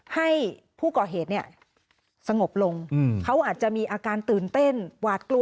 ให้ผู้ก่อเหตุเนี่ยสงบลงเขาอาจจะมีอาการตื่นเต้นหวาดกลัว